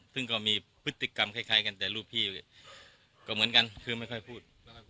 ซึ่งก็มีพฤติกรรมคล้ายกันแต่รูปพี่ก็เหมือนกันคือไม่ค่อยพูดนะครับ